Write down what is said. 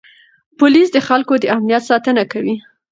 پولیس د خلکو د امنیت ساتنه کوي.